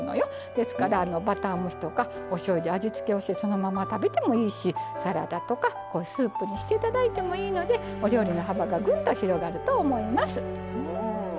ですから、バター蒸しとかおしょうゆで味付けをしてそのまま食べてもいいしサラダとかスープにしていただいてもいいのでお料理の幅がぐんと広がると思います。